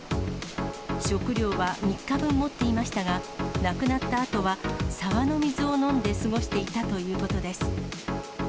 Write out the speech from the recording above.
食料は３日分持っていましたが、なくなったあとは沢の水を飲んで過ごしていたということです。